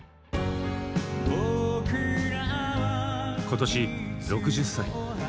今年６０歳。